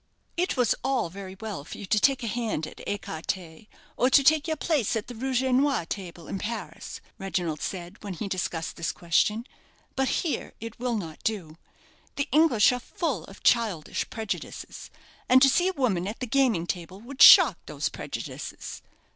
"It was all very well for you to take a hand at écarté, or to take your place at the rouge et noir table, in Paris," Reginald said, when he discussed this question; "but here it will not do. The English are full of childish prejudices, and to see a woman at the gaming table would shock these prejudices.